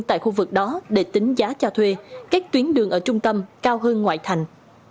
tại khu vực đó để tính giá cho thuê các tuyến đường ở trung tâm cao hơn ngoại thành